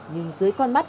nhưng dưới con mắt